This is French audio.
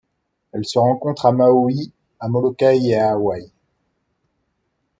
Elle se rencontre à Maui, à Molokai et à Hawaï.